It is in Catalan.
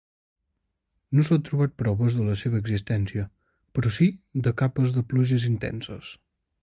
No s'han trobat proves de la seva existència però si de capes de pluges intenses.